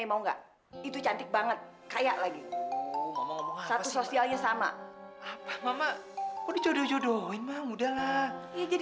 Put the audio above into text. sampai jumpa di video selanjutnya